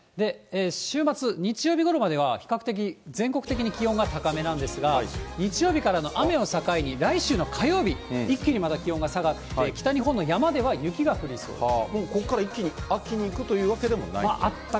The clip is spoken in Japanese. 週末、日曜日ごろまでは比較的全国的に気温が高めなんですが、日曜日からの雨を境に、来週の火曜日、一気にまた気温が下がって、北日本の山では雪が降りそうです。